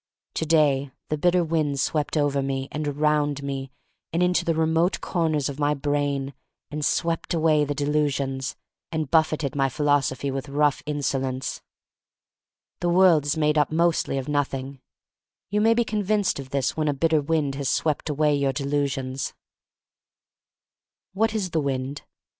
To day the bitter wind swept over me and around me and into the re mote corners of my brain and swept away the delusions, and buffeted my philosophy with rough insolence. The world is made up mostly of noth ing. You may be convinced of this when a bitter wind has swept away your delusions. 48 THE STORY OF MARY MAC LANE 49 What is the wind?